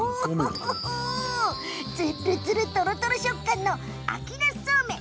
つるっつる、とろっとろ食感の秋なすそうめん。